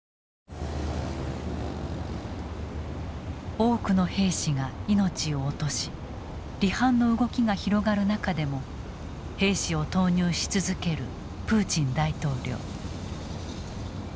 多くの兵士が命を落とし離反の動きが広がる中でも兵士を投入し続けるプーチン大統領。